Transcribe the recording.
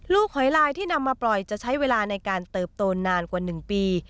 หอยลายที่นำมาปล่อยจะใช้เวลาในการเติบโตนานกว่า๑ปี